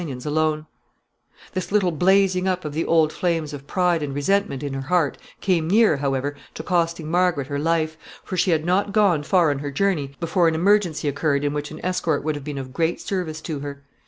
] This little blazing up of the old flames of pride and resentment in her heart came near, however, to costing Margaret her life, for she had not gone far on her journey before an emergency occurred in which an escort would have been of great service to her.